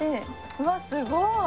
うわっすごい！